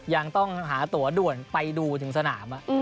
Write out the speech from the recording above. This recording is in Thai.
ยังต้องหาตัวด่วนไปดูถึงสนาม